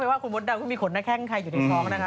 ไม่ต้องมีคนนะแข้งใครอยู่ในท้องนะคะ